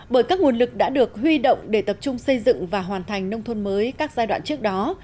bởi các nguồn lực đã được huy động để tập trung xây dựng và hoàn thành nông thôn mới các giai đoạn trước đó